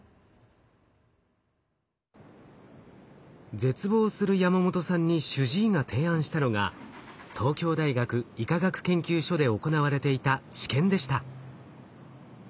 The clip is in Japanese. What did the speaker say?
絶望するヤマモトさんに主治医が提案したのが東京大学医科学研究所で行われていた治験でした。